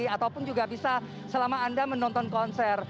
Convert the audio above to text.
ataupun juga bisa selama anda menonton konser